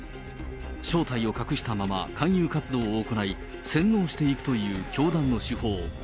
正体を隠したまま、勧誘活動を行い、洗脳していくという教団の手法。